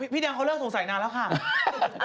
พี่เต๋องเขาเลิกสงสัยนานแล้วค่ะ